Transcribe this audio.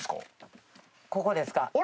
ここですか？